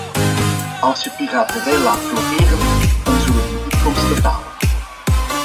Als je piraterij laat floreren, dan zullen die inkomsten dalen.